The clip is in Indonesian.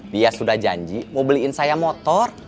dia sudah janji mau beliin saya motor